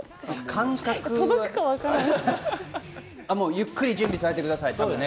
ゆっくり準備されてください。